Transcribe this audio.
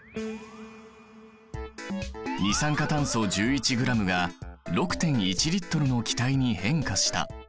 二酸化炭素１１ｇが６．１Ｌの気体に変化した。